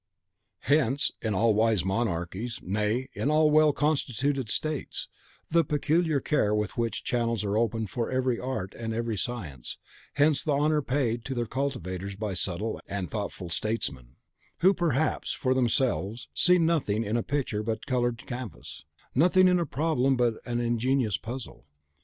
Hence, in all wise monarchies, nay, in all well constituted states, the peculiar care with which channels are opened for every art and every science; hence the honour paid to their cultivators by subtle and thoughtful statesmen, who, perhaps, for themselves, see nothing in a picture but coloured canvas, nothing in a problem but an ingenious puzzle.